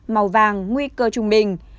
màu vàng nguy cơ trung bình